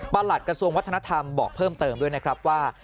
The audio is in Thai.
หลัดกระทรวงวัฒนธรรมบอกเพิ่มเติมด้วยนะครับว่า